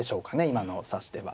今の指し手は。